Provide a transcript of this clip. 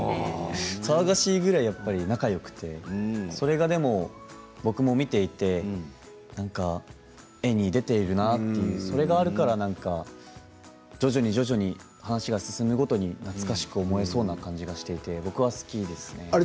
騒がしいぐらいやっぱり仲がよくてそれはでもやっぱり僕も見ていて絵に出ているなというふうにそれがあるから徐々に徐々に話が進むごとに懐かしく思えそうな感じがして僕は好きですね。